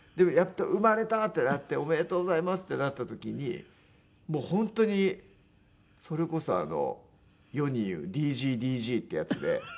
やっと生まれたってなっておめでとうございますってなった時にもう本当にそれこそ世にいうＤＧＤＧってやつで。